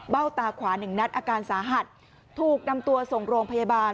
เบ้าตาขวา๑นัดอาการสาหัสถูกนำตัวส่งโรงพยาบาล